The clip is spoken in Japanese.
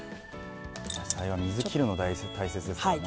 野菜は水を切るの大切ですよね。